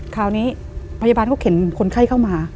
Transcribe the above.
คราวนี้พยาบาลเขาเข็นคนไข้เข้ามา